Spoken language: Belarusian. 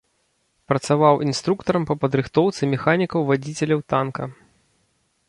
Працаваў інструктарам па падрыхтоўцы механікаў-вадзіцеляў танка.